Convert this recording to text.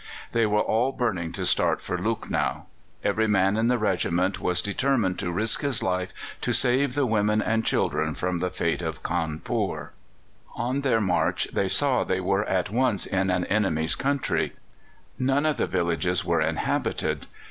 They were all burning to start for Lucknow. Every man in the regiment was determined to risk his life to save the women and children from the fate of Cawnpore. On their march they saw they were at once in an enemy's country. None of the villages were inhabited.